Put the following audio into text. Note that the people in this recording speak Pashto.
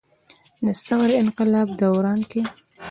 د ثور انقلاب دوران کښې